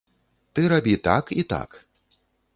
Ты рабі так і так.